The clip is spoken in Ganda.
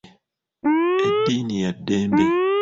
Eddiini ya ddembe.